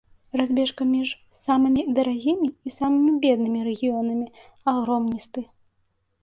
Разбежка між самымі дарагімі і самымі беднымі рэгіёнамі агромністы.